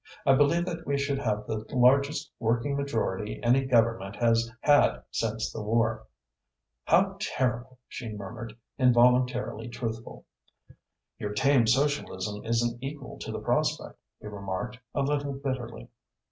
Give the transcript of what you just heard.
I believe that we should have the largest working majority any Government has had since the war." "How terrible!" she murmured, involuntarily truthful. "Your tame socialism isn't equal to the prospect," he remarked, a little bitterly.